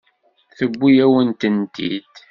Tewwi-yawen-tent-id.